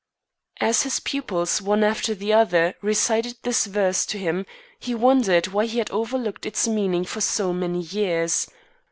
As his pupils, one after the other, recited this verse to him, he wondered why he had overlooked its meaning for so many years.